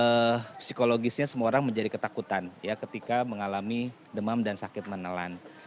ya jadi memang psikologisnya semua orang menjadi ketakutan ketika mengalami demam dan sakit menelan